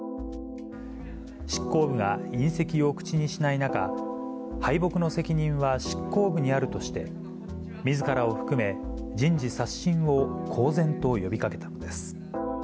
執行部が引責を口にしない中、敗北の責任は執行部にあるとして、みずからを含め、人事刷新を公然と呼びかけたのです。